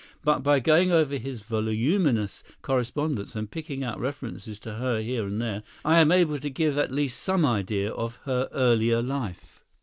But by going over his voluminous correspondence and picking out references to her here and there, I am able to give at least some idea of her earlier life.